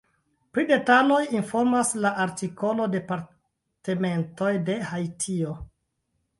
Pri detaloj informas la artikolo departementoj de Haitio.